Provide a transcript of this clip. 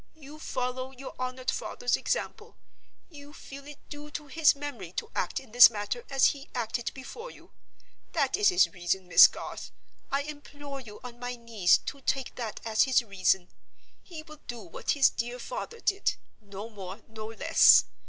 You follow your honored father's example; you feel it due to his memory to act in this matter as he acted before you. That is his reason, Miss Garth—— I implore you on my knees to take that as his reason. He will do what his dear father did; no more, no less.